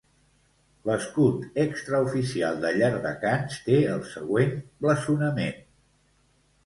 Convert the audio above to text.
L'escut extraoficial de Llardecans té el següent blasonament.